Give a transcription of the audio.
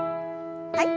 はい。